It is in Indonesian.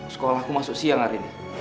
sekolahku masuk siang hari ini